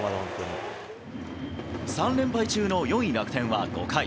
３連敗中の４位楽天は、５回。